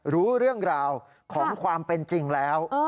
รู้เรื่องราวของความเป็นจริงแล้ว